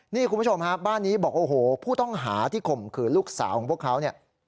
นี่คุณผู้ชมฮะบ้านนี้บอกโอ้โหผู้ต้องหาที่ข่มขืนลูกสาวของพวกเขาเนี่ย